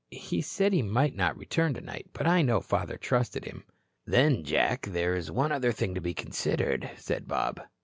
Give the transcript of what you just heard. He said he might not return tonight. But I know father trusted him." "Then, Jack, there is one other thing to be considered," said Bob.